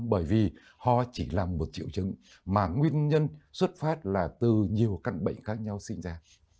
bởi vì họ chỉ là một triệu chứng mà nguyên nhân xuất phát là từ nhiều căn bệnh khác nhau sinh ra